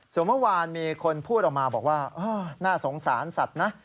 ส่วนเมื่อวานมีคนพูดออกมาบอกว่าน่าสงสารสัตว์นะ